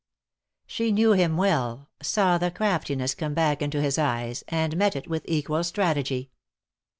She knew him well, saw the craftiness come back into his eyes, and met it with equal strategy.